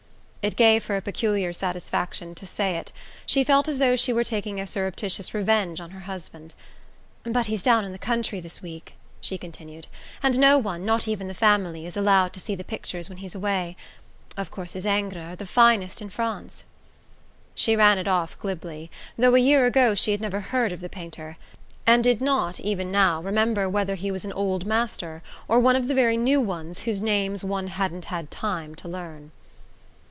It gave her a peculiar satisfaction to say it: she felt as though she were taking a surreptitious revenge on her husband. "But he's down in the country this week," she continued, "and no one not even the family is allowed to see the pictures when he's away. Of course his Ingres are the finest in France." She ran it off glibly, though a year ago she had never heard of the painter, and did not, even now, remember whether he was an Old Master or one of the very new ones whose names one hadn't had time to learn.